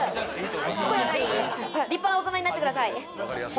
健やかに立派な大人になってください。